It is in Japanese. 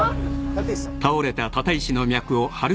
立石さん！？